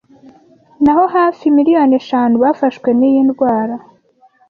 naho hafi miliyoni eshanu bafashwe n'iyi ndwara